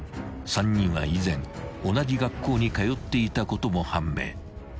［３人は以前同じ学校に通っていたことも判明］